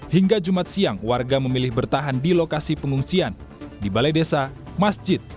hingga jumat siang warga memilih bertahan di lokasi pengungsian di balai desa masjid